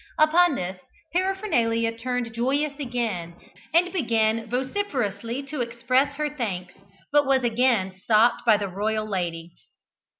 Upon this Paraphernalia turned joyous again, and began vociferously to express her thanks, but was again stopped by the royal lady.